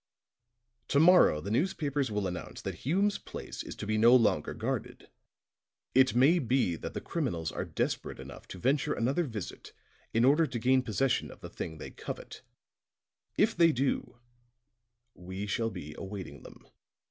"To morrow the newspapers will announce that Hume's place is to be no longer guarded. It may be that the criminals are desperate enough to venture another visit in order to gain possession of the thing they covet. If they do, we shall be awaiting them."